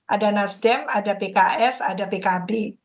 ada nasdem ada pks ada pkb